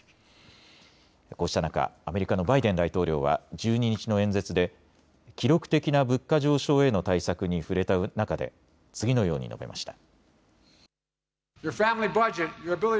こうした中、アメリカのバイデン大統領は１２日の演説で記録的な物価上昇への対策に触れた中で次のように述べました。